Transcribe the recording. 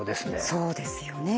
そうですよね。